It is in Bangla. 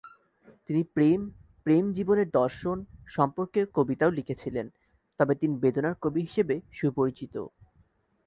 তিনি প্রেম, প্রেম জীবনের দর্শন সম্পর্কে কবিতাও লিখেছিলেন, তবে তিনি বেদনার কবি হিসাবে সুপরিচিত।